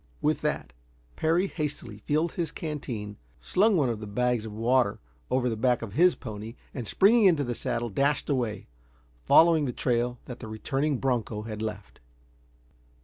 With that Parry hastily filled his canteen, slung one of the bags of water over the back of his pony, and springing into the saddle dashed away, following the trail that the returning broncho had left.